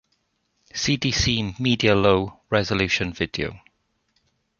Cdc-mediaLow Resolution Video